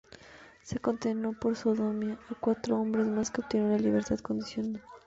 Se condenó por sodomía a cuatro hombres más que obtuvieron la libertad condicional.